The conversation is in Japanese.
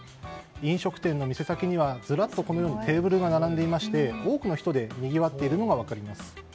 飲食店の店先にはテーブルが並んでいまして多くの人でにぎわっているのが分かります。